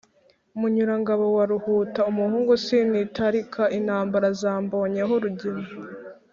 munyurangabo wa ruhuta, umuhungu sinitalika intambara zambonyeho rugina.